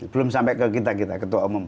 belum sampai ke kita kita ketua umum